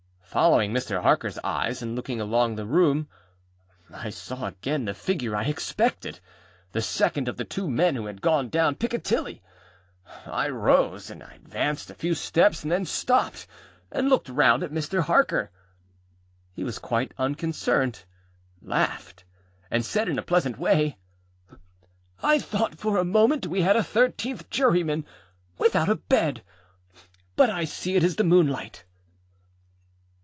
â Following Mr. Harkerâs eyes, and looking along the room, I saw again the figure I expected, âthe second of the two men who had gone down Piccadilly. I rose, and advanced a few steps; then stopped, and looked round at Mr. Harker. He was quite unconcerned, laughed, and said in a pleasant way, âI thought for a moment we had a thirteenth juryman, without a bed. But I see it is the moonlight.